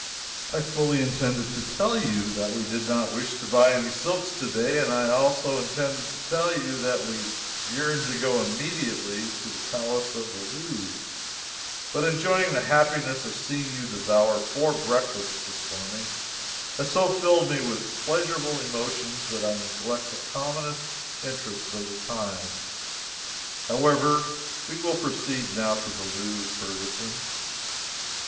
I fully intended to tell you that we did not wish to buy any silks to day, and I also intended to tell you that we yearned to go immediately to the palace of the Louvre, but enjoying the happiness of seeing you devour four breakfasts this morning has so filled me with pleasurable emotions that I neglect the commonest interests of the time. However, we will proceed now to the Louvre, Ferguson."